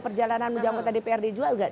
perjalanan menanggota dprd juga